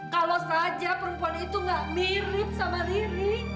kalau saja perempuan itu gak mirip sama riri